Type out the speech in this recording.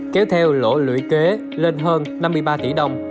kéo theo lỗ lũy kế lên hơn năm mươi ba tỷ đồng